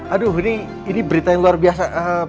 aduh ini berita yang luar biasa